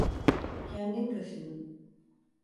Kendin kaşındın.